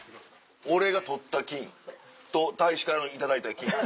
俺が採った金と大使から頂いた金。